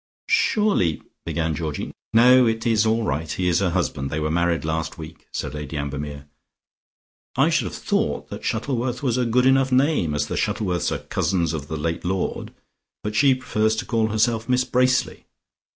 "Surely " began Georgie. "No, it is all right, he is her husband, they were married last week," said Lady Ambermere. "I should have thought that Shuttleworth was a good enough name, as the Shuttleworths are cousins of the late lord, but she prefers to call herself Miss Bracely.